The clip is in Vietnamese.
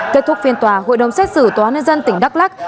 kết thúc phiên tòa hội đồng xét xử tòa nhân dân tỉnh đắk lắc